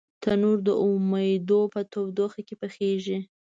تنور د امیدو په تودوخه کې پخېږي